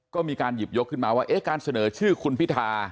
ก็มีการหยิบยกขึ้นมาว่าการเสนอชื่อคุณพิธา